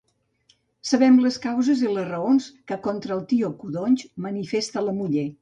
Sabem les causes i les raons, que contra el tio Codonys manifesta la muller.